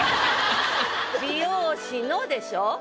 「美容師の」でしょ。